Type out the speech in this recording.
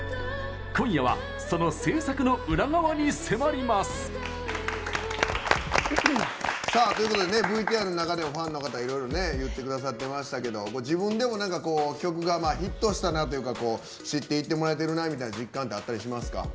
今夜はその制作のウラ側に迫ります！ということでＶＴＲの中でもファンの方いろいろ言ってくださってましたけど自分でも曲がヒットしたなというか知っていってもらえてるなみたいな実感ってあったりしますか？